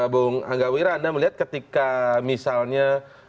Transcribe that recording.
bung anggawira anda melihat ketika misalnya